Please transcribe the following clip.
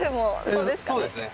そうですね。